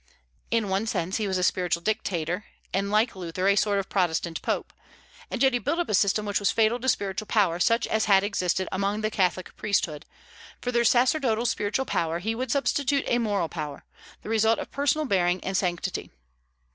In one sense he was a spiritual dictator, and like Luther a sort of Protestant pope; and yet he built up a system which was fatal to spiritual power such as had existed among the Catholic priesthood. For their sacerdotal spiritual power he would substitute a moral power, the result of personal bearing and sanctity.